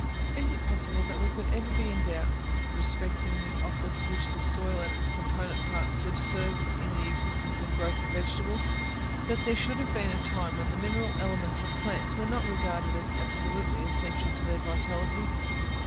Is it possible that we could ever be in doubt respecting the office which the soil and its component parts subserve in the existence and growth of vegetables? that there should have been a time when the mineral elements of plants were not regarded as absolutely essential to their vitality?